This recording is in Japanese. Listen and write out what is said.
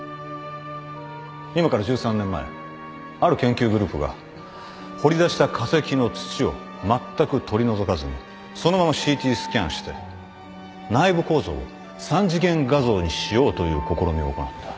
今から１３年前ある研究グループが掘り出した化石の土をまったく取り除かずにそのままＣＴスキャンして内部構造を三次元画像にしようという試みを行った。